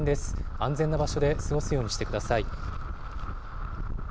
安全な場所で過ごすようにしてください。